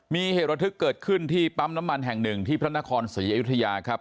มีเหตุระทึกเกิดขึ้นที่ปั๊มน้ำมันแห่งหนึ่งที่พระนครศรีอยุธยาครับ